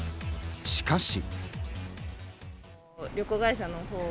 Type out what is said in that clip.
しかし。